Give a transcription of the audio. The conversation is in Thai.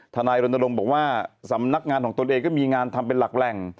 ทนายรณรงค์บอกว่าสำนักงานของตนเองก็มีงานทำเป็นหลักแหล่ง